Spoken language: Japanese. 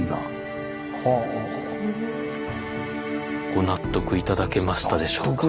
ご納得頂けましたでしょうか？